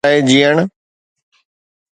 خود غرضيءَ لاءِ جيئڻ.